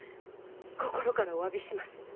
心からお詫びします